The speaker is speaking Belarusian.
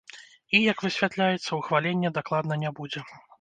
І, як высвятляецца, ухвалення дакладна не будзе.